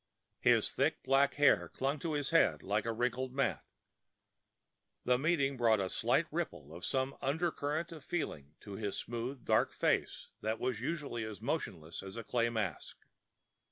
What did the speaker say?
His thick, black hair clung to his head like a wrinkled mat. The meeting brought a slight ripple of some undercurrent of feeling to his smooth, dark face that was usually as motionless as a clay mask.